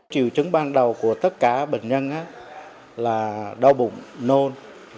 triệu chứng ban đầu của tất cả bệnh nhân là đau bụng nôn